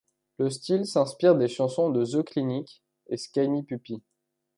Le style s'inspire des chansons de The Klinik et Skinny Puppy.